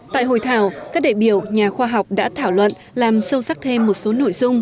tại hội thảo các đại biểu nhà khoa học đã thảo luận làm sâu sắc thêm một số nội dung